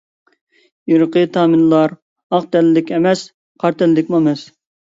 ئىرقى تامىللار ئاق تەنلىك ئەمەس، قارا تەنلىكمۇ ئەمەس.